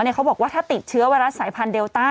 เขาบอกว่าถ้าติดเชื้อไวรัสสายพันธุเดลต้า